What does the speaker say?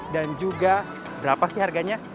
dan juga berapa sih harganya